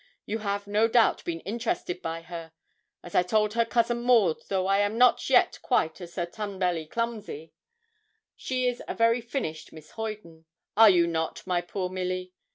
You have, no doubt, been interested by her. As I told her cousin Maud, though I am not yet quite a Sir Tunbelly Clumsy, she is a very finished Miss Hoyden. Are not you, my poor Milly?